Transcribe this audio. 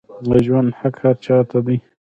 د ژوند حق هر چا ته دی